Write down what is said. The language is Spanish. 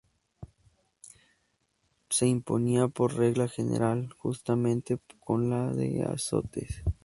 Se imponía, por regla general, juntamente con la de azotes.